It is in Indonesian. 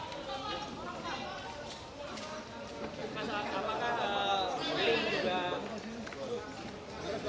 apakah tim juga